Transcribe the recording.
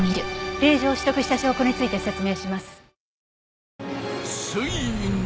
令状を取得した証拠について説明します。